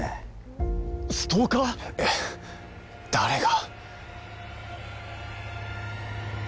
えっ誰が？